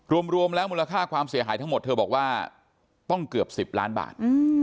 รวมแล้วมูลค่าความเสียหายทั้งหมดเธอบอกว่าต้องเกือบ๑๐ล้านบาท